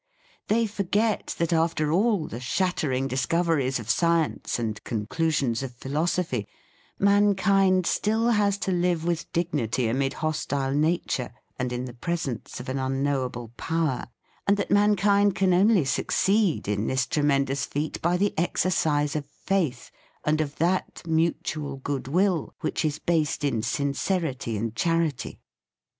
They forget that, after all the shattering dis coveries of science and conclusions of philosophy, mankind has still to live with dignity amid hostile nature, and in the presence of an unknowable THE FEAST OF ST FRIEND power and that mankind can only suc ceed in this tremendous feat by the ex ercise of faith and of that mutual good will which is based in sincerity and charity.